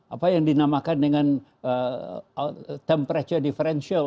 apa yang dinamakan dengan temperature differential